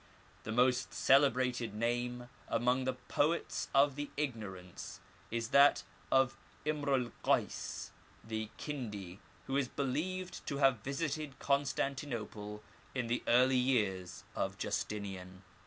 The most celebrated name amgng the poets of the Ignorance is that of Imr el Kays the Kindi, who is believed to have visited Constantinople in the early years of Justinian.